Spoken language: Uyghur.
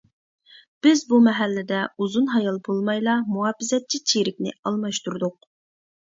بىز بۇ مەھەللىدە ئۇزۇن ھايال بولمايلا مۇھاپىزەتچى چېرىكنى ئالماشتۇردۇق.